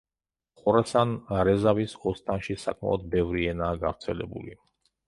ხორასან-რეზავის ოსტანში საკმაოდ ბევრი ენაა გავრცელებული.